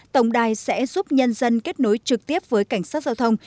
tổng đài sẽ giúp nhân dân kết nối trực tiếp với cảnh sát giao thông